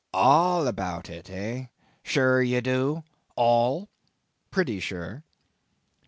"All about it, eh—sure you do?—all?" "Pretty sure."